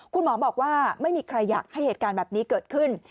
คุณหมอบอกว่าไม่มีใครอยากให้เหตุการณ์แบบนี้เกิดขึ้น